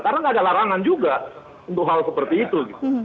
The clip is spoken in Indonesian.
karena nggak ada larangan juga untuk hal seperti itu